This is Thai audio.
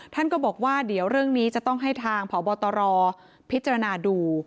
ท่านก็บอกว่าเดี๋ยวเรื่องนี้จะต้องให้ทางพบตรพิจารณาดู